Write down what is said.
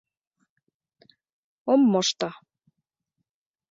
— Ом мошто...